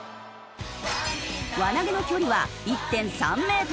輪投げの距離は１．３メートル。